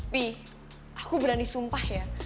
bi aku berani sumpah ya